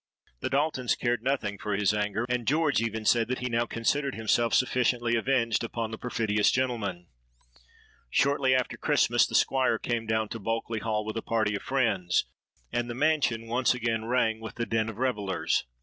The Daltons cared nothing for his anger; and George even said that he now considered himself sufficiently avenged upon the perfidious gentleman. Shortly after Christmas the Squire came down to Bulkeley Hall with a party of friends; and the mansion once again rang with the din of revellers.